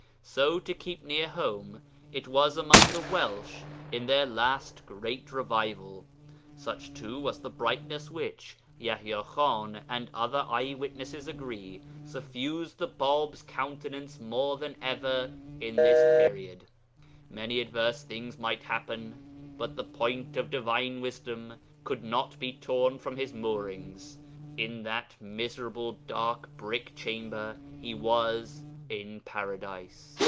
So to keep near home it was among the Welsh in their last great revival. Such, too, was the brightness which, Yaḥya Khan and other eye witnesses agree, suffused the Bāb's countenance more than ever in this period. Many adverse things might happen, but the 'Point' of Divine Wisdom could not be torn from His moorings. In that miserable dark brick chamber He was 'in Paradise.'